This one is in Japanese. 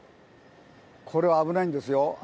これは危ないんですよ。